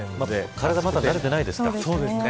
体がまだ慣れていないですからね。